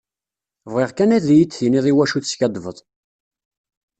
Bɣiɣ kan ad yi-d-tiniḍ iwacu teskaddbeḍ.